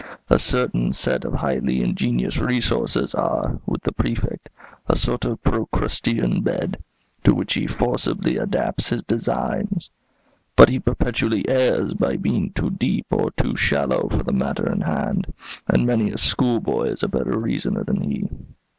A certain set of highly ingenious resources are, with the Prefect, a sort of Procrustean bed, to which he forcibly adapts his designs. But he perpetually errs by being too deep or too shallow for the matter in hand; and many a schoolboy is a better reasoner than he.